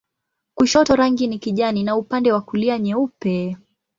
Kushoto rangi ni kijani na upande wa kulia nyeupe.